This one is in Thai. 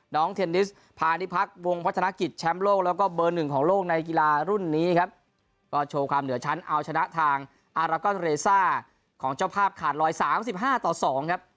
เทนนิสพาณิพักษ์วงพัฒนกิจแชมป์โลกแล้วก็เบอร์หนึ่งของโลกในกีฬารุ่นนี้ครับก็โชว์ความเหนือชั้นเอาชนะทางอารากอนเรซ่าของเจ้าภาพขาดรอย๓๕ต่อ๒ครับ